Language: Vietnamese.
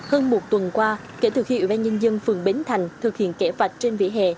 hơn một tuần qua kể từ khi ủy ban nhân dân phường bến thành thực hiện kẻ vạch trên vỉa hè